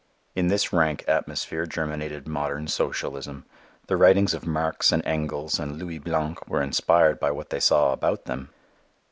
In this rank atmosphere germinated modern socialism. The writings of Marx and Engels and Louis Blanc were inspired by what they saw about them.